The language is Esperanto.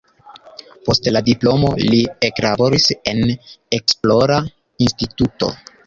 Post la diplomo li eklaboris en esplora instituto.